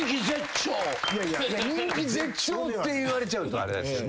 人気絶頂って言われちゃうとあれですけどね。